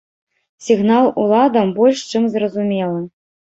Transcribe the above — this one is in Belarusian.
Сігнал уладам больш чым зразумелы.